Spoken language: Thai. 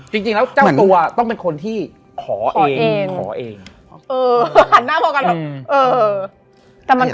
จริงแล้วเจ้าตัวต้องเป็นคนที่ขอเองขอเอง